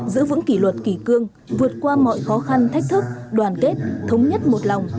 giữ vững kỷ luật kỷ cương vượt qua mọi khó khăn thách thức đoàn kết thống nhất một lòng